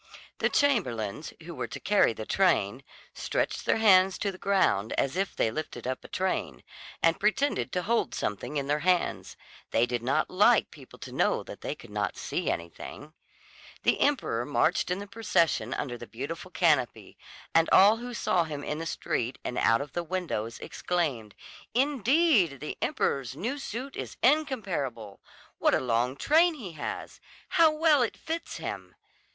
The chamberlains, who were to carry the train, stretched their hands to the ground as if they lifted up a train, and pretended to hold something in their hands; they did not like people to know that they could not see anything. The emperor marched in the procession under the beautiful canopy, and all who saw him in the street and out of the windows exclaimed: "Indeed, the emperor's new suit is incomparable! What a long train he has! How well it fits him!"